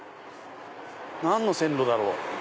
何の線路だろう？